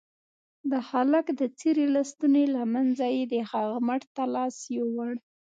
د هلك د څيرې لستوڼي له منځه يې د هغه مټ ته لاس يووړ.